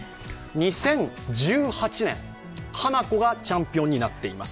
２０１８年、ハナコがチャンピオンになっています。